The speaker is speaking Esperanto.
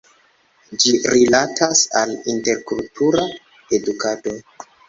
Ĝi rilatas al interkultura edukado.